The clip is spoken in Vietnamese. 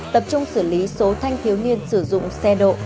tập trung xử lý số thanh thiếu niên sử dụng xe độ